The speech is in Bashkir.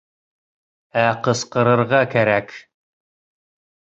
Ә ҡысҡырырға кәрәк!